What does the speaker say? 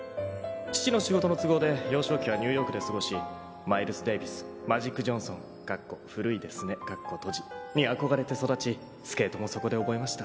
「父の仕事の都合で幼少期はニューヨークで過ごしマイルス・デイビスマジック・ジョンソンに憧れて育ちスケートもそこで覚えました」